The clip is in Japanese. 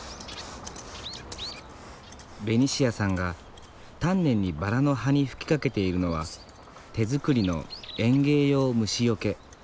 ベニシアさんが丹念にバラの葉に吹きかけているのは手づくりの園芸用虫よけ。